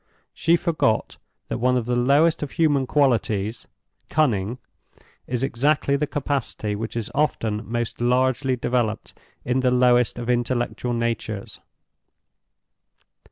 She forgot that one of the lowest of human qualities—cunning—is exactly the capacity which is often most largely developed in the lowest of intellectual natures.